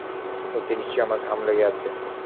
ওতে নিশ্চয়ই আমার ঘাম লেগে আছে।